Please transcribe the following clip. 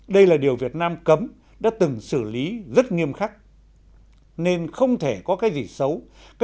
đây là điều việt nam cấm đã từng xử lý rất nghiêm khắc